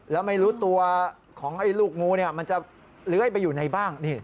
แล้วไม่รู้ตัวของลูกงูมันจะเลื้อยไปอยู่ในบ้าน